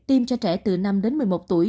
tiêm cho trẻ từ năm đến một mươi một tuổi